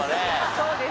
そうです。